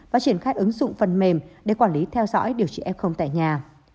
và triển khai ứng dụng phần mềm để quản lý theo dõi điều trị f tại nhà